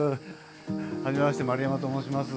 初めまして丸山と申します。